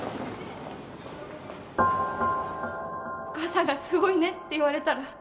お母さんがすごいねって言われたら